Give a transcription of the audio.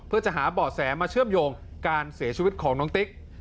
เพื่อจะหาเบาะแสมาเชื่อมโยงการเสียชีวิตของน้องติ๊ก